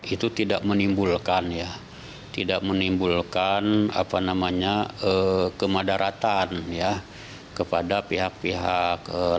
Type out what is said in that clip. itu tidak menimbulkan kemadaratan kepada pihak pihak